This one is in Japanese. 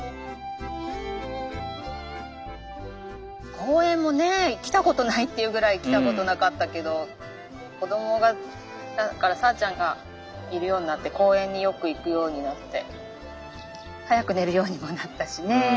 公園もね来たことないっていうぐらい来たことなかったけど子どもがだからさぁちゃんがいるようになって公園によく行くようになって早く寝るようにもなったしね。